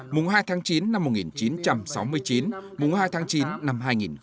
mùng hai tháng chín năm một nghìn chín trăm sáu mươi chín mùng hai tháng chín năm hai nghìn một mươi chín